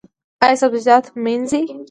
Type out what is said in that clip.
ایا سبزیجات مینځئ؟